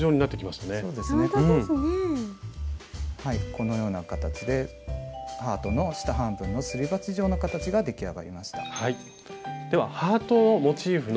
このような形でハートの下半分のすり鉢状の形が出来上がりました。